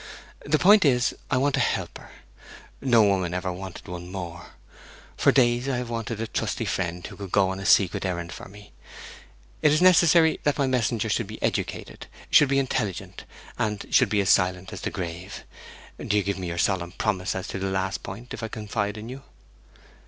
The point is, I want a helper: no woman ever wanted one more. For days I have wanted a trusty friend who could go on a secret errand for me. It is necessary that my messenger should be educated, should be intelligent, should be silent as the grave. Do you give me your solemn promise as to the last point, if I confide in you?'